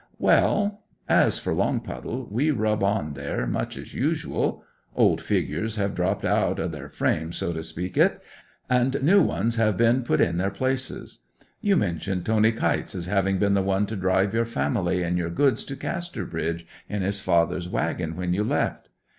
'Well, as for Longpuddle, we rub on there much as usual. Old figures have dropped out o' their frames, so to speak it, and new ones have been put in their places. You mentioned Tony Kytes as having been the one to drive your family and your goods to Casterbridge in his father's waggon when you left.